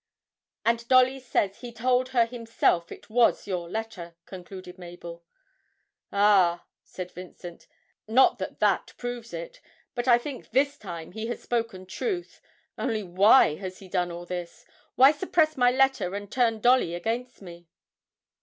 'And Dolly says he told her himself it was your letter!' concluded Mabel. 'Ah,' said Vincent, 'not that that proves it. But I think this time he has spoken truth; only why has he done all this? Why suppress my letter and turn Dolly against me?'